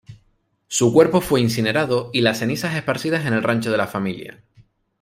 Su cuerpo fue incinerado y las cenizas esparcidas en el rancho de la familia.